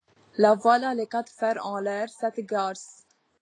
La voilà les quatre fers en l'air, cette garce !